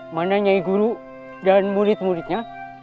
mana nyai guru dan murid muridnya